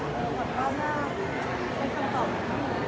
มีมากเป็นพัฒน์ที่พิงให้เรา